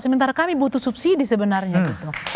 sementara kami butuh subsidi sebenarnya gitu